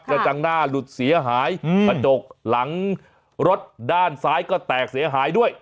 กระจังหน้าหลุดเสียหายกระจกหลังรถด้านซ้ายก็แตกเสียหายด้วย